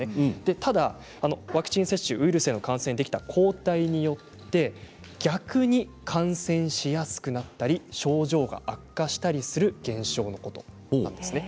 ただワクチン接種をウイルスの感染でできた抗体によって逆に感染しやすくなったり症状が悪化したりする現象のことなんです。